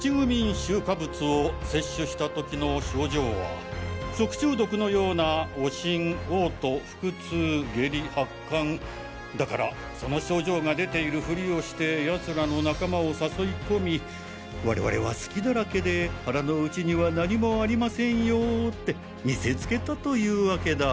臭化物を摂取した時の症状は食中毒のような悪心嘔吐腹痛下痢発汗だからその症状が出ているフリをして奴らの仲間を誘い込み「我々は隙だらけで腹の内にはなにもありませんよ」って見せつけたというワケだ！